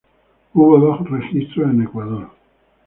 Hubo dos registros en Ecuador.